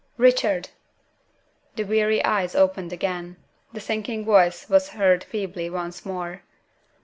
"Richard!" The weary eyes opened again. The sinking voice was heard feebly once more.